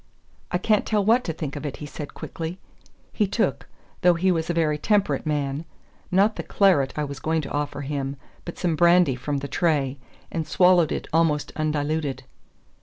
"I can't tell what to think of it," he said quickly. He took though he was a very temperate man not the claret I was going to offer him, but some brandy from the tray, and swallowed it almost undiluted.